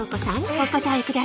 お答えください。